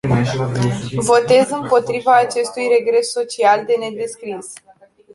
Votez împotriva acestui regres social de nedescris.